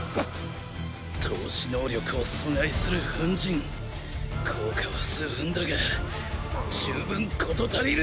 透視能力を阻害する粉塵効果は数分だが十分事足りる。